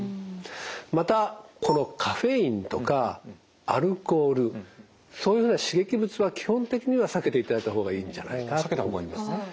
またこのカフェインとかアルコールそういうふうな刺激物は基本的には避けていただいた方がいいんじゃないかと思います。